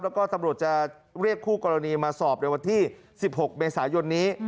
แล้วก็ตำรวจจะเรียกคู่กรณีมาสอบในวันที่๑๖เมษายนนี้